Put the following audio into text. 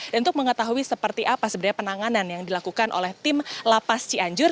dan untuk mengetahui seperti apa sebenarnya penanganan yang dilakukan oleh tim lapas cianjur